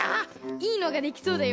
いいのができそうだよ。